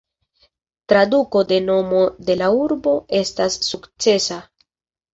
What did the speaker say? Traduko de nomo de la urbo estas "sukcesa".